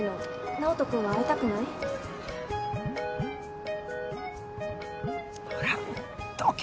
直人君は会いたくない？ほらどけ。